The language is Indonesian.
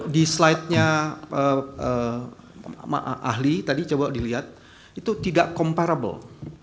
di slide nya ahli tadi coba dilihat itu tidak comparable